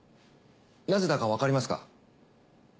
なぜだかわかりますか？